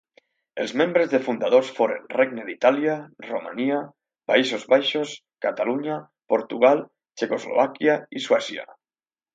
Els membres de fundadors foren Regne d'Itàlia, Romania, Països Baixos, Catalunya, Portugal, Txecoslovàquia, i Suècia.